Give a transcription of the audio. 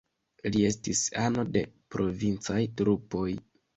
Li estis ano de provincaj trupoj.